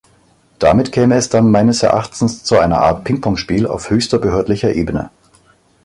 Damit käme es dann meines Erachtens zu einer Art Pingpongspiel auf höchster behördlicher Ebene.